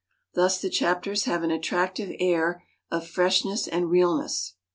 Thus the chapters have an attractive air of freshness and realness.